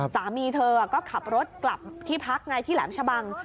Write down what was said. สามีเธอก็ขับรถกลับที่พักไงที่แหลมชะบัง